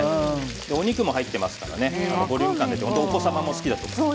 お肉も入っていますからボリューム感もあってお子様も好きだと思います。